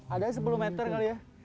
ada sepuluh meter kali ya